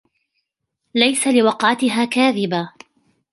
لَيْسَ لِوَقْعَتِهَا كَاذِبَةٌ